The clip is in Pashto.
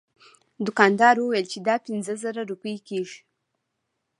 دوکاندار وویل چې دا پنځه زره روپۍ کیږي.